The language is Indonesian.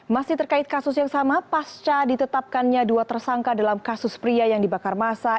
masih terkait kasus yang sama pasca ditetapkannya dua tersangka dalam kasus pria yang dibakar masa